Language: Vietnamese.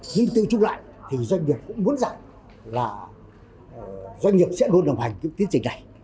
duy tư trúc lại thì doanh nghiệp cũng muốn rằng là doanh nghiệp sẽ luôn đồng hành những tiến trình này